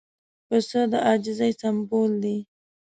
پسه د عاجزۍ سمبول دی.